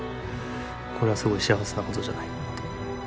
これはすごい幸せなことじゃないかなと。